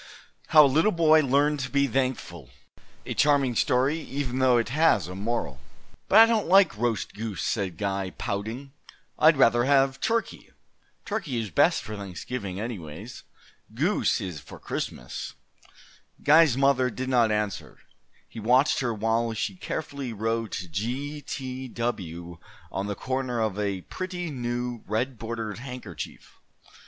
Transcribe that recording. How a little boy learned to be thankful. A charming story even though it has a moral. "But I don't like roast goose," said Guy, pouting. "I'd rather have turkey. Turkey is best for Thanksgiving, anyway. Goose is for Christmas." [Footnote 18: From the Youth's Companion, November 26, 1908.] Guy's mother did not answer. He watched her while she carefully wrote G. T. W. on the corner of a pretty new red bordered handkerchief.